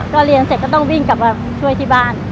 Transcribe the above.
ก็เรียนเสร็จก็ต้องวิ่งกลับมาช่วยที่บ้าน